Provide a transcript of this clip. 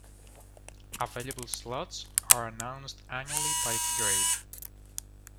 Available slots are announced annually by grade.